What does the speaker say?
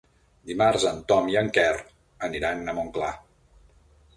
Dimarts en Tom i en Quer aniran a Montclar.